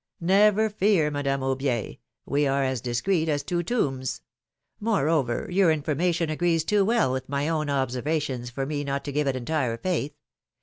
Never fear, Madame Aubier : we are as discreet as two tombs. Moreover, your information agrees too well with my own observations for me not to give it entire faith.